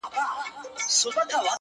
سم خراب سوی دی پر ميکدې نه راځي,